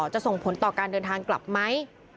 จะส่งผลต่อการเดินทางกลับไหม